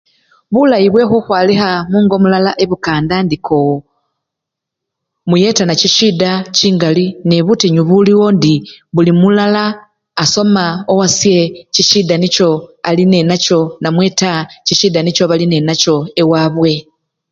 Bulayi bwe khukhwalikha mungo mulala ebukanda indi koo muyetana chisyida chingali nebutinyu buliwo indi buli mulala asomo owasye chisyida nicho alinenacho namwe taa chisyida nicho bali nenacho ewabwe.